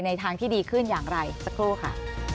ทางที่ดีขึ้นอย่างไรสักครู่ค่ะ